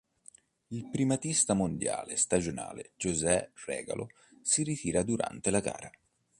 Il primatista mondiale stagionale José Regalo si ritira durante la gara.